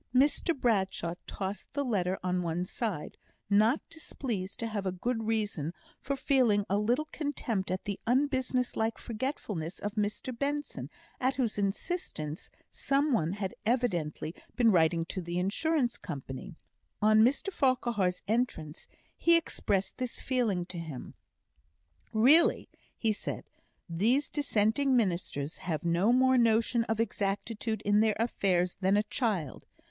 Mr Bradshaw tossed the letter on one side, not displeased to have a good reason for feeling a little contempt at the unbusiness like forgetfulness of Mr Benson, at whose instance some one had evidently been writing to the Insurance Company. On Mr Farquhar's entrance he expressed this feeling to him. "Really," he said, "these Dissenting ministers have no more notion of exactitude in their affairs than a child!